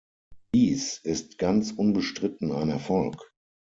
Dies ist ganz unbestritten ein Erfolg.